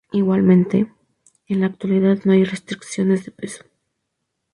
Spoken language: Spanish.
Igualmente, en la actualidad no hay restricciones de peso.